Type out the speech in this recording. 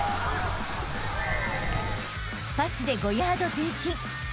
［パスで５ヤード前進］